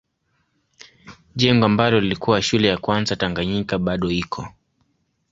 Jengo ambalo lilikuwa shule ya kwanza Tanganyika bado iko.